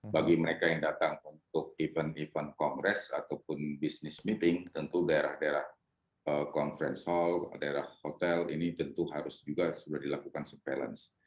bagi mereka yang datang untuk event event kongres ataupun business meeting tentu daerah daerah conference hall daerah hotel ini tentu harus juga sudah dilakukan surveillance